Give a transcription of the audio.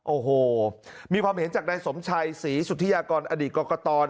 โอ้โหมีความเห็นจากนายสมชัยศรีสุธิยากรอดีตกรกต